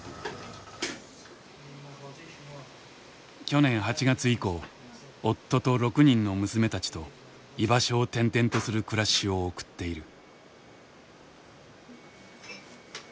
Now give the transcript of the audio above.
去年８月以降夫と６人の娘たちと居場所を転々とする暮らしを送っている。